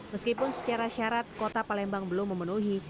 meskipun secara syarat kota palembang belum memenuhi